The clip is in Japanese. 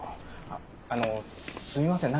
あのすみません。